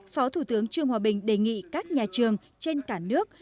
phó thủ tướng trương hòa bình đề nghị các nhà trường trên cả nước